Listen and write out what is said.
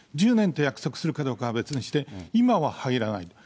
１０年と約束するかどうかは別にして、今は入らない。